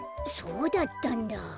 そうだったんだ。